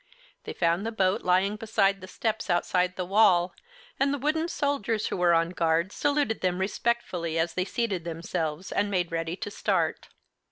They found the boat lying beside the steps outside the wall, and the wooden soldiers who were on guard saluted them respectfully as they seated themselves and made ready to start.